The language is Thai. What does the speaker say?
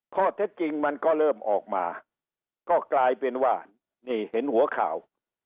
ข้อเท็จจริงมันก็เริ่มออกมาก็กลายเป็นว่านี่เห็นหัวข่าว